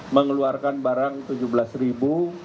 mengeluarkan barang tujuh belas ribu